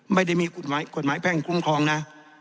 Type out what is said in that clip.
ไม่ได้มีกฎหมายแพ่งคุ้มครองนะ